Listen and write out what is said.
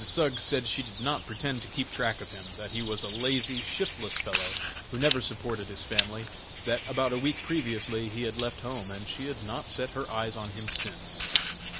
Suggs said she did not pretend to keep track of him; that he was a lazy, shiftless fellow, who never supported his family; that about a week previously he had left home, and she had not set her eyes on him since.